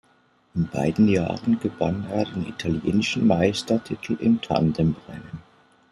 In beiden Jahren gewann er den Italienischen Meistertitel im Tandemrennen.